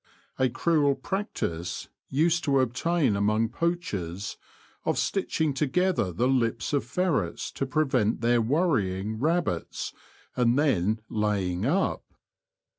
A cruel practise used to obtain among poachers of stitching together the lips of ferrets to pre vent their worrying rabbits and then '^ laying up."